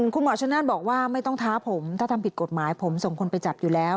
คุณหมอชนนั่นบอกว่าไม่ต้องท้าผมถ้าทำผิดกฎหมายผมส่งคนไปจับอยู่แล้ว